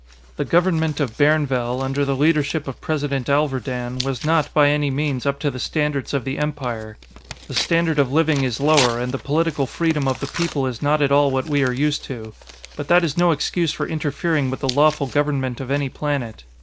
The government of Bairnvell, under the leadership of President Alverdan, was not, by any means, up to the standards of the Empire; the standard of living is lower, and the political freedom of the people is not at all what we are used to. But that is no excuse for interfering with the lawful government of any planet.